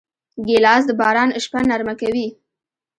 ګیلاس د باران شپه نرمه کوي.